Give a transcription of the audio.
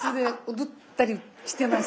踊ったりしてます。